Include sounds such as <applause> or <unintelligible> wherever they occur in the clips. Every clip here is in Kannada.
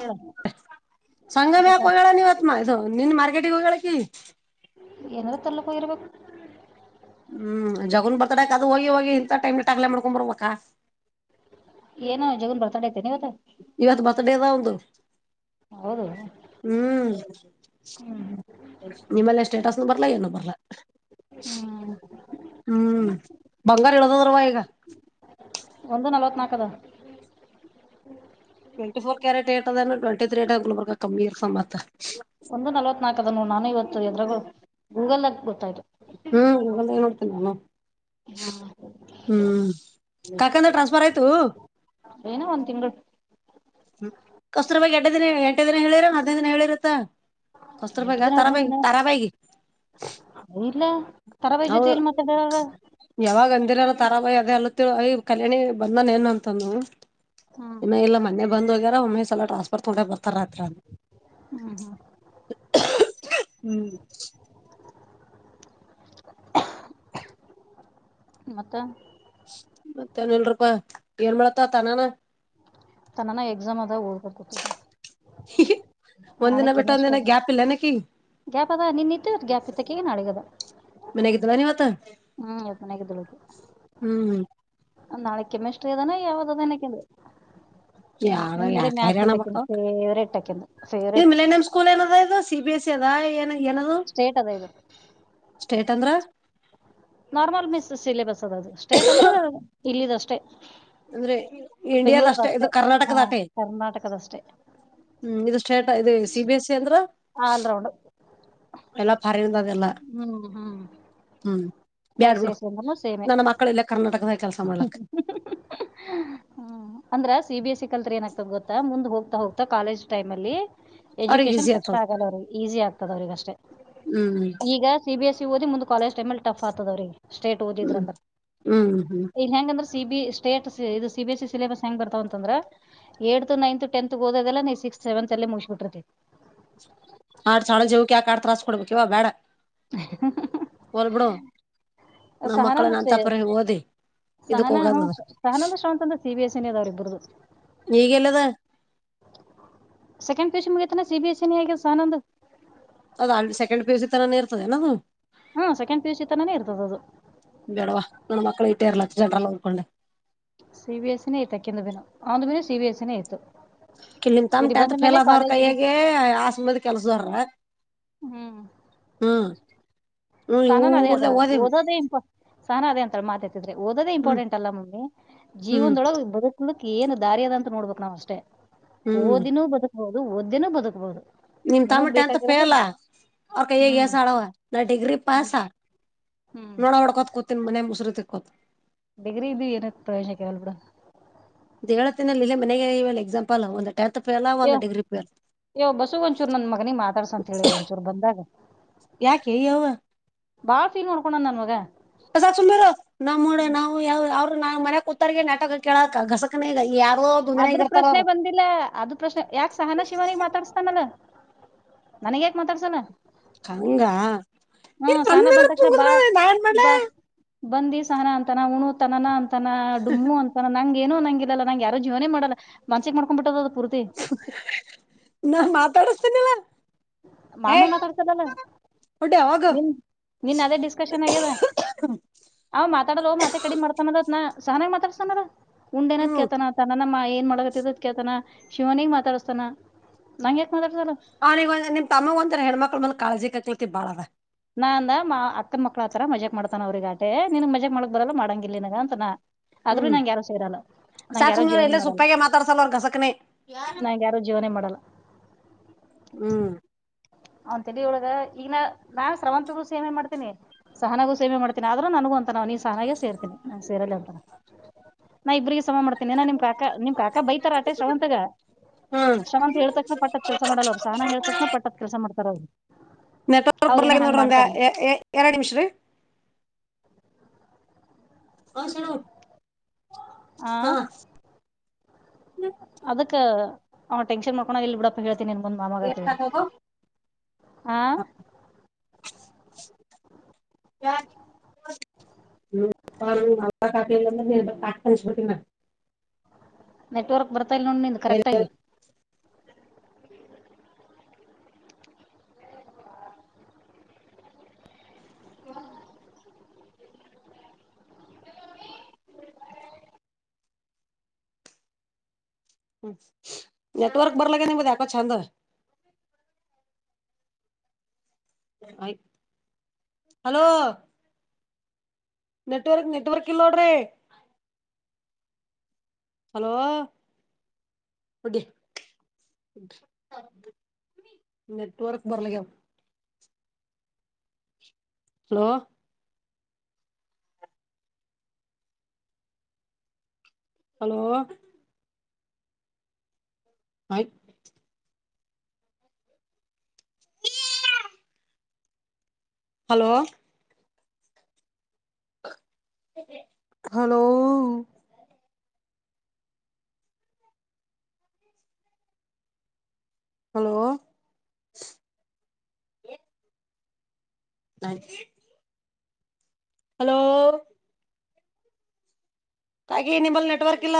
ಹೇಳ ಅದಕ್ಕ ಸಂಗಮ್ಯಾಕ್ ಹೋಗಳ ನೀವತ್ ಮಾ್ ನಿನ್ ಮಾರ್ಕೆಟಿಗೆ ಹೋಗಳಕಿ ಎನ ತಳ್ಳಪಯರ್ಬೇಕ ಹ್ಮ್ ಜಗನ್ ಬರ್ತಾಡಕ ಅದು ಹೋಗಿ ಹೋಗಿ ಇಂಥ ಟೈಮ್ ಟಕ್ಲೆ ಮಾಡ್ಕೊಂಬರ ಮಕ್ಕ ಏನೋ ಜಗನ್ ಬರ್ತಾಡೆ ಇವತ್ತು ಬರ್ಥಡೇದ ಒದು ಹೌದು ಹ್ಮ್ ಹ್ಮ್ ನಿಮ್ಮಲ್ಲ ಸ್ಟೇಟಸ್ನು ಬರ್ಲ ಏನು ಬರ್ಲ ಹ್ಮ್ ಹ್ಮ್ ಬಂಗಾರ ಹೇಳಳದದ್ರವಾ ಈಗ ಒಂದು ನಲ್ವತ್ ನಾಕದು ಟ್ವೆಂಟ ಫೋರ್ ಕ್ಯಾರೆಟ್ಏ ಅ ಟ್ವೆಂಟ ತ್ರೀ ಬರ್ ಕಮ್ಮಿರ್ಸ ಮತ್ ಒಂದು ನಲವತ್ ನಾಲ್ಕ ಅ ನಾನು ಇವತ್ತು ಎದರು ಗೂಗಲ್ ಹ್ಮ್ ಏ ನೋಡ್ತೀನಿ ನ ಹ್ಮ್ ಹ್ಮ್ ಕಾಕಂದ್ರ ಟ್ರಾನ್ಸ್ಫರ್ ಆಯ್ತು ಏನೋ ಒಂದ್ ತಿಂಗಳು ಹ್ಮ ಕಸ್ರ ಬಗ್ ಎಂಟೇ ದಿನ ಎಂಟೇ ದಿನ ಹೇಳಿರ ದಿನ ಹೇಳಿರತ್ತಾ ಕಸ್ರ ಎಂಟು ಪಕ ದಿನ ಹದ್ನೈದು ತಾರಾಪ ತಾರಾ ಬಾಯಗೆ ದಿನ ಇಲ್ಲ ತರಾಬಾಯಿ ಅ ಜೊತೆ ಎಲ್ಲಿ ಮಾತಾಡ್ಯಾರ ಯಾವಾಗ ಅಂದಿರ ತರ ಬಯ ಅದೆೇ ಅಲ್ಲ ತಿಯ ಕಲ್ಯಾಣಿ ಬಂದನ್ ಏನ್ ಅಂತಂದ ಹ್ಮ್ ಇನ್ನು ಇಲ್ಲ ಮೊನೆೆ ಬಂದೋಗ್ಯ ಒಮ್ಮೆಶ್ ಎಲ ಟ್ರಾನ್ಸ್ಫರ್ ತಗೊಂಡೆ ಬರ್ತಾರಯತ್ರ ಹ್ಮ್ ಹ್ಮ್ ಹ್ಮ್ ಮತ್ತೆ ಮತ್ತ ಏನ್ ಇಲ್ರಪಾ ಏನ್ ಮಾಡತ್ತ ತನಾನ ತನ್ನನ ಎಕ್ಸಾಮ್ ಆದಾಗ ಓದಬ ಕೊತಿದ ನ ಒಂದಿನ ನಾಳಕ ಬಿಟ್ಟ ಮಷ್ಟ ಒಂದಿನ ಗ್ಯಾಪ್ ಇಲ್ಲನಕಿಗ್ ಗ್ಯಾಪ್ ಅದ ನಿನ್ತ್ತು ಗ್ಯಾಪ್ ಇತ್ತಕಗ ನಾಡಗದ ಮನೆಗೆ ಇದ್ದ ಏನ್ ಇವತ್ತು ಹ್ಮ್ ಎನೇಕ ತಳ ನಾಳೆ ಕೆಮ್ಮೆಷ್ಟ್ರ ಅದಾನ ಯಾವದ ಅದನಕ ಆಕಿಡು ಯ ಯಾಕ ಇರ ಅಣ್ಣ ಮಕ್ಕ ಅಕಿಂದು ಇ ಫೇವ್ರೇಟ್ ಮಿಲೇನಿಯಂ ಸ್ಕೂಲ್ ಏನದ ಇದು ಸಿ ಬಿ ಎಸ್ ಸಿ ಅದ ಏನು ಏನದು ಸ್ಟೇಟ್ ಅದ ಇದು ಸ್ಟೇಟ್ ಅಂದ್ರ ನಾರ್ಮಲ್ ಮಿಸ್ ಸಿಲೆಬಸ್ ಅದ ಅದು ಸ್ಟೇಟ್ ಅಂದ್ರೆ ಇಲ್ಲದಷ್ಟೇ ಅಂದ್ರೆ ಇಂಡಿಯಾದಷ್ಟೇ ಇದು ಕರ್ನಾಟಕ ಹಾ ದಾಟೆ ಕರ್ನಾಟಕದಷ್ಟೇ ಹ್ಮ್ ಇದು ಸ್ಟೇಟ ಇದು ಸಿ ಬಿ ಎಸ್ ಸಿ ಅಂದ್ರ ಆಲ್ ರೌಂಡ್ ಎಲ್ಲಾ ಫಾರಿನ್ದ ಅದೆಲ್ಲಾ ಹ್ಮ್ ಹ್ಮ್ ಹ್ಮ್ ಆಯ ಬ್ಯಾಡ್ ಸೇ ಬಿಡು ಸೇಂತ ಸೇಮ ನನ್ನ ಮಕ್ಕಳ ಇಲ್ಲೇ ಕರ್ನಾಟಕದಾಗ ಕೆಲ್ಸ ಮಾಡ್ಲಕ್ ಹ್ಮ ಅಂದ್ರ ಸಿ ಬಿ ಎಸ್ ಸಿ ಕಲ್ತ್ರಿ ಏನಾಗಕ್ತದ ಗೊತ್ತಾ ಮುಂದ್ ಹೋಗ್ ಹೋಗ್ತಾ ಕಾಲೇಜ್ ಟೈಮ ಅಲ್ಲಿ ಅವ್ರಿಗೆ ಎಜುಕೇಶನ್ ಈಸಿ ಕಷ್ಟ ಆತದ ಆಗಲ್ಲ ಅವ್ರಿಗೆ ಈಸಿ ಆಗ್ತದ ಅವ್ರಿಗೆ ಅಷ್ಟೇ ಹ್ಮ್ ಈಗ ಸಿ ಬಿ ಎಸ್ ಸಿ ಓದಿ ಮುಂದ್ ಕಾಲೇಜ್ ಟೈಮಲ್ಲಿ ಟಫ್ ಆಗ್ತದವ್ರಿ ಹ್ಮ್ ಹ್ಮ್ ಹ್ಮ್ ಇಲ್ ಸಿ ಸ್ಟೇಟ್ ಇದು ಸಿ ಬಿ ಎಸ್ ಸಿಲೆಬಸ್ ಹೆಂಗ ಬರ್ತಾವ ಅಂದ್ರೆ ಏ ನೈನ್ತ್ ಟೆಂತ್ ಹೋದದೆಲ್ಲ ಸಿಕ್ಸ್ ಸೆವೆನ್ ಅಲ್ಲೇ ಮುಗಿಸ್ಬಿಟಿ ಹಾರ ಶಳೆ ಜವಕ್ಕೆ ಆ ಕಾರಾ ತ್ರಾಸ ಕೊಡಬೇಕ ಕವ ಬ್ಯಾಡ <unintelligible> ಹೊಲ್ಬಿಡು ನಮ್ಮ ಮಕ್ಳ ಸಹನಂದ ಏನ್ ಅಂತಪುರ ಓದಿ ಇದಕ್ ಸಹನ ಹ ಹೋಗದದ ಸಹನಂದಷ್ಟ ಅಂತಂದ್ರೆ ಸಿ ಬಿ ಎಸ್ ಸಿಿನ ಅದಾವ್ರ ಇಬ್ಬ್ರದು ಈಗೆಲ್ಲದ ಸೆಕೆಂಡ್ ಪಸಿಷನ್ ಮುಖೇತನ ಸಿಬಿಎಸ್ಇನ ಹಕಲ್ ಸ ಆನಂದ್ ಅದ್ ಸೆಕೆ್ ಪೇಸಸ್ ತರನೇ ಇರ್ತದೆ ನದುವು ಹಾ ಸೆಕೆಂಡ್ ಪಿ ಯು ಸಿ ತನಾನೇ ಇರ್ತದ ಅದು ಬಡವಾ ನ ಮಕ್ಕಳ ಎಟ ಎರಡು ಲಕ್ಷ ಜನರ ನೋಡ್ಕೊಂಡೆ ಸಿಬಿಎಸ್ಸಿನೇ ಇಯ್ತಕಂದು ಬೀನು ಆಂದು ಮೇನು ಸಿಬಎಸ್ಸಿನೇ ಇಯತು ಕಲ್ಲಿಂದ ತಂದ ಟೆಂತ್ ಫೇಲ್ ಆದದವ್ರ ಕೈಯೇ ಆಸ್ ಮದಿ ಕೆಲ್ಸದವ್ರ ಹ್ಮ್ ಹ್ಮ್ ಹ್ಮ್ ಸನಾನ ಅದೇ ಹದ ಊರ್ದ ಓದಿ ಓದೋದೇ ಇಪ ಸನ ಅದೇ ಅಂತ ಮಾತೇತಿ ಓದೇ ಹ್ಮ್ ಇಂಪಾರ್ಟೆಂಟ್ ಅಲ್ಲ ಮಮ್ಮಿ ಹ್ಮ್ ಜೀವನ್ದೊಳ ಬದು ಲಕ್ ಏನು ದಾರಿಿಯದ ಅಂತ ನೋಡ್ಬಕ್ ನಾವ್ ಅಷ್ಟೇ ಹ್ಮ್ ಓದಿನೂ ಬದುಕ್ಬಹುದು ಓದ್ದಿನೂ ಬದುಕ್ಬಹುದು ನಿಮ್ ತಮ್ಮ ನಮಗ್ ಟೆಂತ್ ಬೇಕಾಗಿರೋದು ಫೇಲ್ ಅವ್ರ ಕೈಗ್ ಹ್ಮ್ ಎಸ ಆಡವ ನ ಡಿಗ್ರಿ ಪಾಸ ಹ್ಮ್ ನೋಡ ಹೊಡ್ಕೋತ್ಕೋತನ್ಿ ಮನೆ ಮುಸರುತಿಕೋತ ಡಿಗ್ರಿ ದ ನ ತ ಕವಲ್ಪಡ ದೇವಿನಲ್ಲಿ ಇಲ್ಲ ಮನೆಗೆ ಇ ಎಕ್ಸಾಂಪಲ್ ಒಂದ ಯ ಯ ಬಸವ ಒಂಚೂರು ನನ್ ಮಗನಿ ಮಾತಾಡ್ಸ ಅಂತ ಹೇಳಿ ಒಂಚೂರು ಬಂದಾಗ ಯ ಕ ಅವವ ಬಾ ೀ್ರ್ಕಣಂದನ್ ಮಗಗೆ ಕಸಾಕ್ ಸುಮ್ೀರ ನಮ್ ನೋಡ ನಾವು ಯಾವ ಅವ್ರರು ನಾ ಮನ್ಯ ಕೂತ್ತಾರಗೆ ನಾಟಕ ಕೇಳಕ ಕಸಕನ ಈಗ ಯಾವ ಆದ್ರ ಪ್ರಶ್ನೆ ಬಂದಿಲ್ಲ ಅ ಪ್ರಶ್ನೆ ಯಾಕ ಸಹನ ಶಿವಾನಿಗೆ ಮಾತಾಡ್ಸ್ತಾನಲ್ಲ ನನ್ಗ್ ಯಾಕ್ ಮಾತಾಡ್ಸಲ ಹಂಗ ಇನ್ ಸಹನಾ ನನ್ದ್ರ ಬಂದ ತಕ್ಷಣ ಬಾ ಪುಂಗುದ್ರಾ ಮಾಡ್ಲ ಬಾ ಬಂದಿ ಸಹನ ಅಂತಾನ ಹಣು ತನನ ಅಂತಾನ ಡುಮ್ಮು ಅಂತಾನ ನಂಗ ಏನು ನಂಗಿಲ್ಲಲ್ಲ ನಂ ಯ ಜೀವನೇ ಮಾಡಲ್ಲ ಮನ್ಸಕ್ ಮಾಡ್ಕೊಂಡಂಬ ಬಿಟ್ಟದದು ನಾನ್ ಮಾತಾಡಿಸತೀನಿಿಲ್ಲ ಮಾಮ ಮಾತಾಡ್ತದಲ್ಲ ಹೊಡಿ ಹೋಗು ನೀನ್ ನೀನ್ ಅದೇ ಡಿಸ್ಕಷನ್ ಆಗ್ಯದ ಅವ್ ಮಾತಾಡಲ್ ಮಾತ್ತೆ ಕಡಿ ಮಾಡ್ತಾನದತ್ನ ಸಾನ ಮಾತ ಸನಾರ ಉಂಡೆನದ್ ಹ್ಮ್ ಕೇಳ್ತನ ತನ ನಮ್ಮ ಮಾಯಿ ಮಾಡತ್ತದ ಕೇಳ್ತಾನ ಶಿವನಿಗೆ ಮಾತಾಡಿಸತಾನ ನಂಗೆ ಅವ್ನ ಈಗಂದ ನಿಮ ತಮ್ಮಗ ಒಂದರ ಹೆಣ್ಣ್ಮಕ್ಳ ಮಂದ್ ಕಾಳಜಿ ಕಳ್ತಿ ಬಾಳ ನಾಂದ ಮಾ ಅಕ್ಕ ಮಕ್ಳತ್ರರ ಮಜಾಕ್ ಮಾಡ್ತಾನ ಅವ್ರಿಗ ಆಟೆ ನಿನ್ಗ್ ಮಜಾಕ್ ಮಾಡಳಕ್ ಬದಲ್ಲಾ ಮಾಡಂಗಿಲ್ಲ ನನ್ಗ ಅಂತನ ಅದ್ರು ಯಾರು ಸೇರಲ್ಲ ನಂಗ ಯಾರು ಸಾಕ್ಮವರು ಜೀವನೇ ಎಲ್ಲ ಮಾಡಲ್ಲ ಸುಪ್ಪಾಗ ಮಾತಾಡ್ಸಲ್ ಅವ ಗಸಕ್ನೆೇ ಯಾರು ನಂಗ ಜೀವನೇ ಮಾಡಲ್ಲ ಹ್ಮ್ ಅವಂತ ಒಳಗ ಈಗ ನ ನಾನ್ ಶ್ರಾವಂತ ಕಸ ಏನ್ ಮಾಡ್ತೇನಿ ಸಹನಾಗೂ ಸೇವೆ ಮಾಡ್ತೀನಿ ಆದ್ರ ನನಗೂ ಅಂತ ನ್ ನೀ ಸಹನಾಗೇ ಸೇರ್ತೀನಿ ಸೇರಲ್ಲಿ ಅಂತ ನಾ ಇಬ್ರಿಗೆ ಮಾಡ್ತನಿಏ ನಿಮ್ ಕಾಕಾ ನಿಮ ಕಾ ಬೈತಾರ ಅಟೆ ಶ್ರಾವಂತಗ ಹ್ಮ್ ಶ್ರಾಂತತ್ ಹೇಳಿದ ತಕ್ಷಣ ಪಟ್ಟದ್ ಕೆಲಸ ಮಾಡೋಲ್ಲ ಅವರು ಸಹಾನ ಹೇಳಿದ ತಕ್ಷಣ ಪಟ್ಟದ ಕೆಲಸ ಮಾಡ್ತಾರ ಅವ್ರು ನೆಟ್ವರ್ಕ್ ಅವ್ರ ಏನ ಬರ್ಲಕ್ಕೆ ಹಂಗ್ ನೋಡ್ರಿ ಅಂದ ಮಾಡ್ತಾರ ಎರಡು ನಿಮಿಷ್ರೀ ಹಶಣ ಆ ಅದಕ್ಕ ಅವ ಟೆನ್ಷನ್ ಮಾಡ್ಕೋಣ ಎಲ್ಲಿ ಬಿಡಪ್ಪ ಹೇಳ್ತೀನಿ ನನ್ ಬಂದ್ ಏನ್ ಮಾಮಗತವ ಹಾಕೋದು. ಆ ಯ ಹೂ ನ ಕಾಕ ಕಾತ ನೆಟ್ವರ್ಕ್ ಬರ್ತಾಲ್ ನೋ ನಿಂದು ಕರೆಕ್ಟ್ ಆಗಿ ಹೂ ನೆಟವರ್ಕ್ ಬರಲಗ ನಿಮ್ದು ಯಾಕ್ ಚಂದ್ ಆಯ್ ಹಲೋ ನೆಟ್ವರ್ಕ್ ನೆಟ್ವರ್ಕ್ ಇಲ್ ನೋಡ್ರಿ ಹಲೋ ಹೊಡಿ ನೆಟ್ವರ್ಕ್ ಬರಗ್ಯದ ಹಲೋ ಹಲೋ ಆಯ್ತ ಹಲೋ ಹಲೋ ಹಲೋ ನ ಹಲೋ ಹಾಗೆ ನಿಮ್ಮಲ್ಲಿ ನೆಟ್ವರ್ಕ್ ಇಲ್ಲ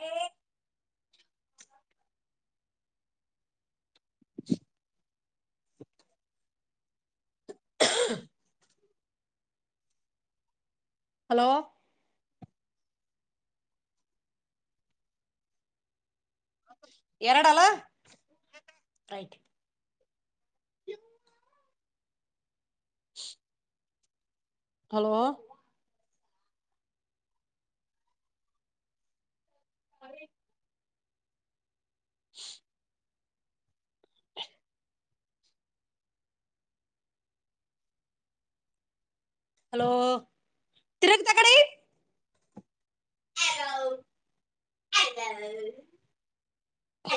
ಹಏ ಹ ಹಲೋ ಎರೆಡಲ್ಲ ಇ ಹ ಹಲೋ ಅದ ಹೂ ಹಲೋ ತಿರಗ ತ ಕಡೆ ಹ ಹ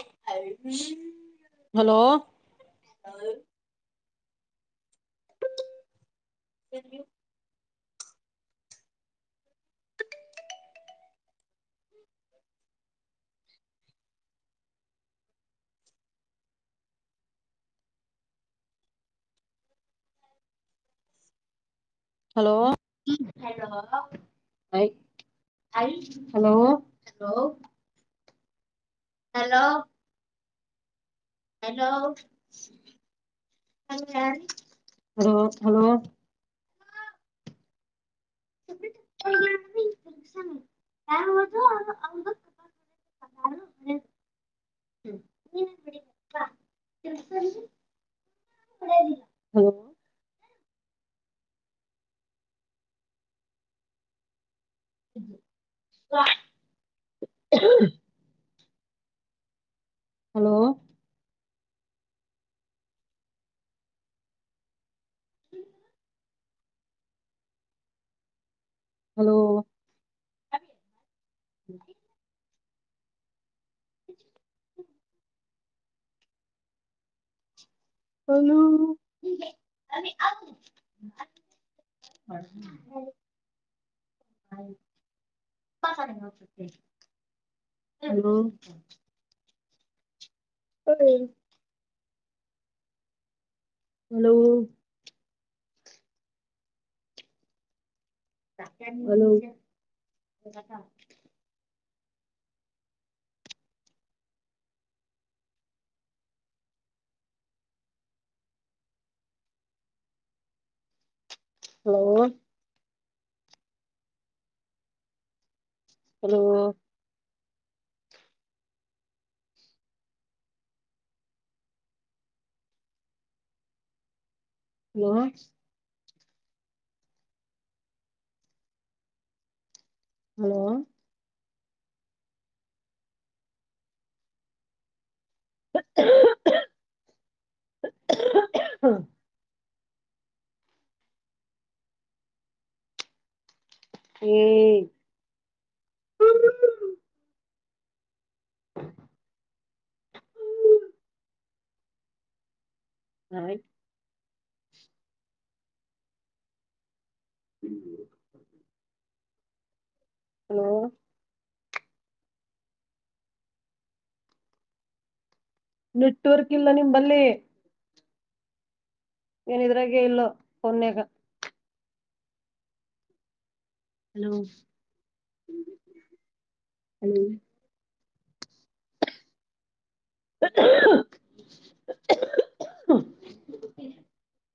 ಹಲೋ ಸರಿ ಹಲೋ ಹಲೋಲೋ ಹಲೋ ಹೆಲೋ ಹಲೋ ಹಲೋ ಹ ತಿಸ ಯಾರು ಕಾರು ಹ್ಮ ನೀ <unintelligible> <unintelligible> ಹೂ ಹಲೋ ಹ ಹಲೋ ಹ ಹಲೋ ಹೂ ಹ ಹಲೋ ಹೇಳಿ hello hello hello hello hello hello ಹ <unintelligible> ಹ್ಮ ಹ್ಮ ನ ಹ್ಮ್ <unintelligible> ಹಲೋ ನೆಟ್ವರ್ಕ್ ಇಲ್ಲ ನಿಮ್ಮಲ್ಲೇ ಏನ ಇದ್ರಾಗ ಇಲ್ಲೋ ಫೋನ್ಗ ಹಲೋಲೋ <unintelligible>